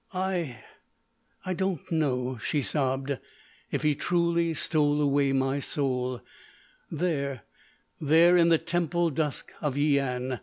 "I—I don't know," she sobbed, "if he truly stole away my soul—there—there in the temple dusk of Yian.